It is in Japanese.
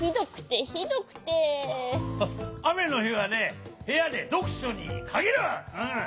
あめのひはねへやでどくしょにかぎる！